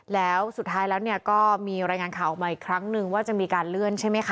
แล้วสุดท้ายแล้วเนี่ยก็มีรายงานข่าวออกมาอีกครั้งนึงว่าจะมีการเลื่อนใช่ไหมคะ